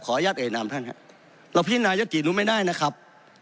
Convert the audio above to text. อนุญาตเอ่ยนามท่านครับเราพินายศตินู้นไม่ได้นะครับ